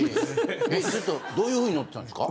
ちょっとどういうふうに乗ってたんですか？